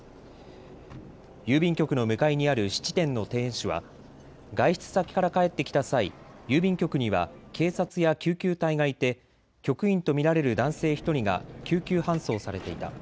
郵便局の向かいにある質店の店主は外出先から帰ってきた際、郵便局には警察や救急隊がいて局員と見られる男性１人が救急搬送されていた。